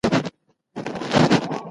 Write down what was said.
ویټامن ډي د عضلاتو ملاتړ کوي.